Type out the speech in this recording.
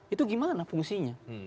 itu gimana fungsinya